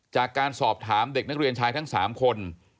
จากการสอบถามเด็กนักเรียนชายทั้ง๓คน